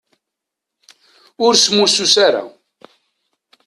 Ur smussus ara.